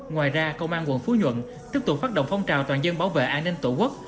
ngoài ra công an quận phú nhuận tiếp tục phát động phong trào toàn dân bảo vệ an ninh tổ quốc